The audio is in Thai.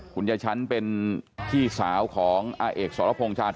คุณยายชั้นเป็นพี่สาวของอาเอกสรพงษา